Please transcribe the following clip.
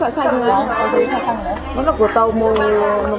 ủa cái này bao nhiêu lít được